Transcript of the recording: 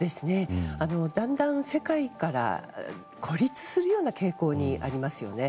だんだん世界から孤立するような傾向がありますよね。